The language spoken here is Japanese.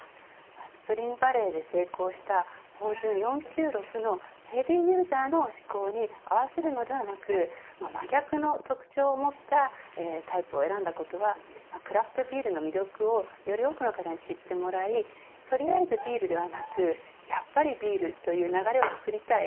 スプリングバレーで成功した豊潤４９６のヘビーユーザーの嗜好に合わせるのではなく真逆の特徴を持ったタイプを選んだことがクラフトビールの魅力をより多くの方に知ってもらい取りあえずビール、ではなくやっぱりビールという流れをつくりたい